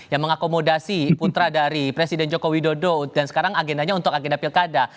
yang mengakomodasi putra dari presiden joko widodo dan sekarang agendanya untuk agenda pilkada